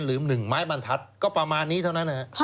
หรือ๑ไม้บรรทัศน์ก็ประมาณนี้เท่านั้น